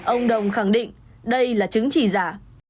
ông đồng khẳng định đây là chứng chỉ giả